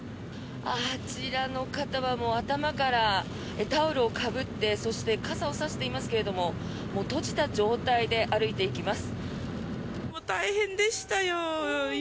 あちらの方は頭からタオルをかぶってそして傘を差していますが閉じた状態で歩いていきます。